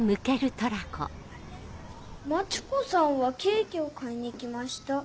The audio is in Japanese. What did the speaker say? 「まちこさんはケーキを買いに来ました。